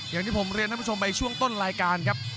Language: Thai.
อย่างที่ผมเรียนท่านผู้ชมไปช่วงต้นรายการครับ